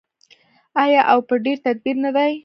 آیا او په ډیر تدبیر نه دی؟